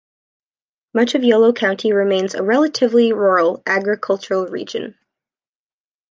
Much of Yolo County remains a relatively rural agricultural region.